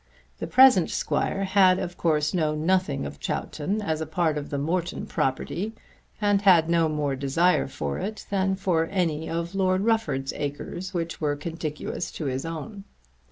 The present Squire had of course known nothing of Chowton as a part of the Morton property, and had no more desire for it than for any of Lord Rufford's acres which were contiguous to his own.